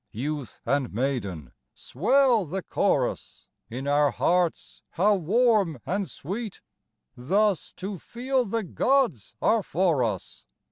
Youth and maiden, swell the chorus 1 In our hearts how warm and sweet Thus to feel the gods are for us.